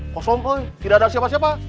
kosong oh tidak ada siapa siapa